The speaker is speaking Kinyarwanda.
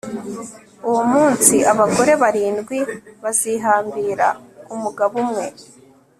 uwo munsi, abagore barindwi bazihambira ku mugabo umwe